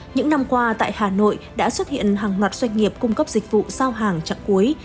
những năm qua tại hà nội đã xuất hiện hàng loạt doanh nghiệp cung cấp dịch vụ giao hàng chặn cuối